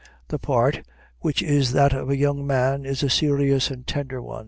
The part, which is that of a young man, is a serious and tender one.